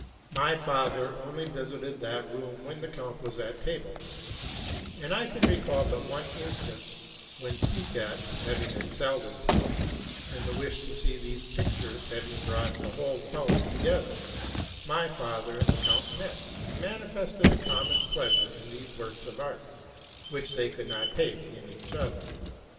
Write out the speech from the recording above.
My father only visited that room when the count was at table; and I can recall but one instance, when, Seekatz having excelled himself, and the wish to see these pictures having brought the whole house together, my father and the count met, and manifested a common pleasure in these works of art, which they could not take in each other.